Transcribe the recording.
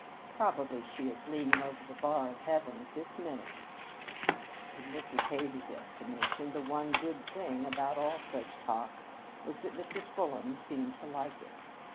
Probably she is leaning over the bar of heaven at this minute." In Mrs. Hays's estimation, the one good thing about all such talk was that Mrs. Fulham seemed to like it.